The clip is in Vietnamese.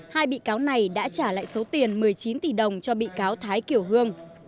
hai bị cáo này đã trả lại số tiền một mươi chín tỷ đồng cho bị cáo thái kiều hương